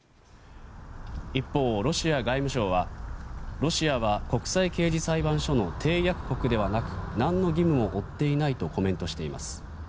一方、ロシア外務省はロシアは国際刑事裁判所の締約国ではなく何の義務も負っていないとコメントしています。